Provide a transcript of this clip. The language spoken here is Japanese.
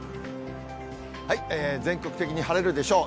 全国的に晴れるでしょう。